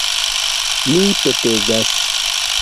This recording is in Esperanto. Mi petegas!